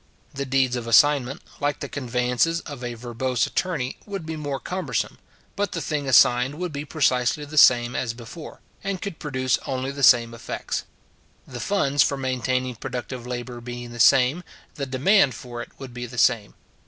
The deeds of assignment, like the conveyances of a verbose attorney, would be more cumbersome; but the thing assigned would be precisely the same as before, and could produce only the same effects. The funds for maintaining productive labour being the same, the demand for it would be the same.